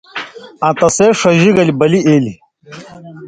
آں تے سیں ݜژی گلے بلی ایل؛